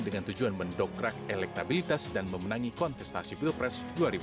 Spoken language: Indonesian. dengan tujuan mendokrak elektabilitas dan memenangi kontestasi pilpres dua ribu sembilan belas